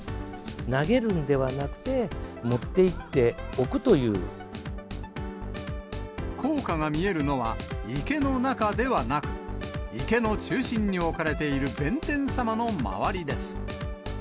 投げるんではなくて、持って行っ硬貨が見えるのは、池の中ではなく、池の中心に置かれている弁天様の周りです。